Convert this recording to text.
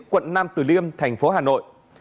quận nam tử liêm thành phố hà nội